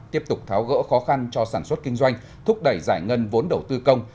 tiếp tục tháo gỡ khó khăn cho sản xuất kinh doanh thúc đẩy giải ngân vốn đầu tư công